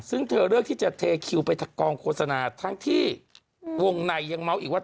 ซึ่งเธอเลือกที่จะเทคิวไปทางกองโฆษณาทั้งที่วงในยังเมาส์อีกว่า